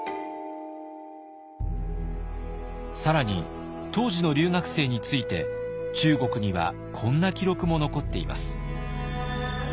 更に当時の留学生について中国にはこんな記録も残っています。